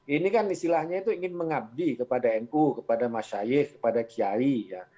ini kan istilahnya itu ingin mengabdi kepada nu kepada mas syahir kepada qiyari